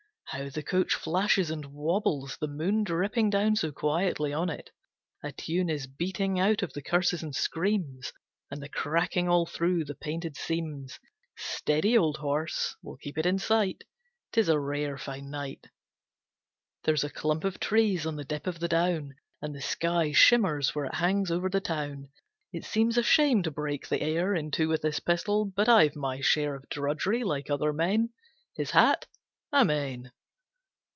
How the coach flashes and wobbles, the moon Dripping down so quietly on it. A tune Is beating out of the curses and screams, And the cracking all through the painted seams. Steady, old horse, we'll keep it in sight. 'Tis a rare fine night! There's a clump of trees on the dip of the down, And the sky shimmers where it hangs over the town. It seems a shame to break the air In two with this pistol, but I've my share Of drudgery like other men. His hat? Amen!